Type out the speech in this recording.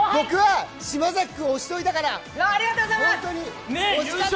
僕は嶋崎君押しといたから。